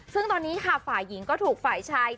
ซึ่งตอนนี้ค่ะฝ่ายหญิงก็ถูกฝ่ายชาย